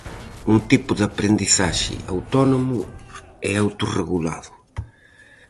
Un tipo de aprendizaxe autónomo e autorregulado.